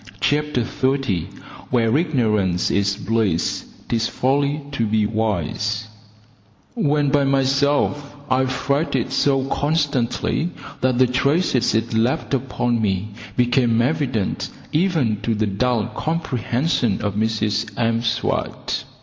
CHAPTER THIRTY Where Ignorance is Bliss, 'Tis Folly to be Wise When by myself, I fretted so constantly that the traces it left upon me became evident even to the dull comprehension of Mrs M'Swat.